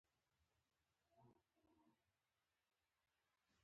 وری د کروندګرو لپاره مهم موسم دی.